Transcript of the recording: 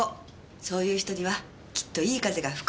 そういう人にはきっといい風が吹く。